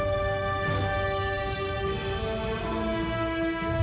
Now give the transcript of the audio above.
ชูเว็ดตีแสดหน้า